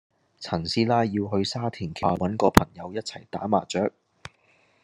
陳師奶要去沙田橋下路搵個朋友一齊打麻雀